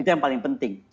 itu yang paling penting